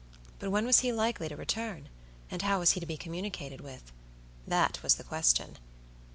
But when was he likely to return? and how was he to be communicated with? That was the question.